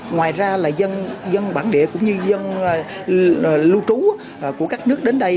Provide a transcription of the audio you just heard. ngoài ra là dân bản địa cũng như dân lưu trú của các nước đến đây